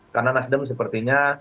karena nasdem sepertinya